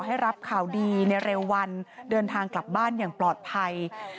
ให้รับข่าวดีในเร็ววันเดินทางกลับบ้านอย่างปลอดภัย